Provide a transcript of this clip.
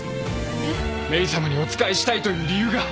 メイさまにお仕えしたいという理由が。